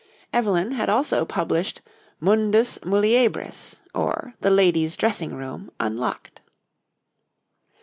Evelyn had also published 'Mundus Muliebris; or, the Ladies' Dressing Room Unlocked.'